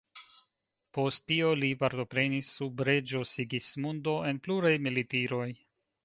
Post tio li partoprenis sub reĝo Sigismundo en pluraj militiroj.